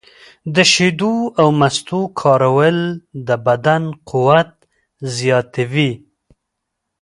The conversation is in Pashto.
د شیدو او مستو کارول د بدن قوت زیاتوي.